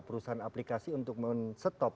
perusahaan aplikasi untuk men stop